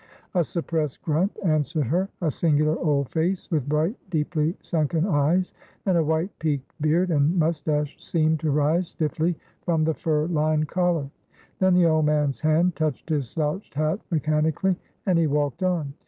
A suppressed grunt answered her, a singular old face, with bright, deeply sunken eyes, and a white, peaked beard and moustache seemed to rise stiffly from the fur lined collar; then the old man's hand touched his slouched hat mechanically, and he walked on.